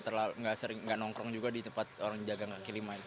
terlalu nggak sering nggak nongkrong juga di tempat orang jaga kaki lima itu